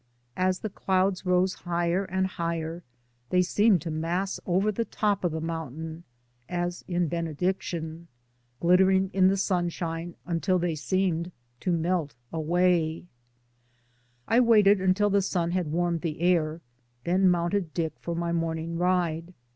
As the clouds rose higher and higher, they seemed to mass over the top of the mountain, as in benediction, glittering in the sunshine until they seemed to melt away. 156 DAYS ON THE ROAD. I waited until the sun had warmed the air, then mounted Dick for my morning ride.